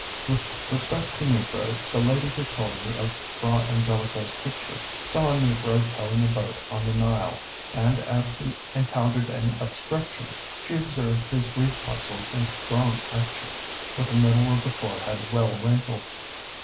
With respect to negroes, the lady who told me of Fra Angelico's picture, saw a negro towing a boat on the Nile, and as he encountered an obstruction, she observed his grief muscles in strong action, with the middle of the forehead well wrinkled.